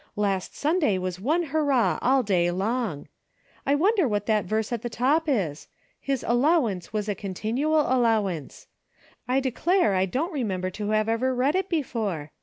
Last Sunday was one hurrah all day long. I wonder what that verse at the top is —' His allowance was a con tinual allowance.' I declare I don't remem ber to have ever read it before.